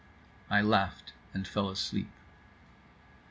I laughed and fell asleep.